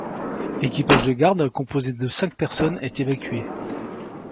L’équipage de garde, composé de cinq personnes, est évacué.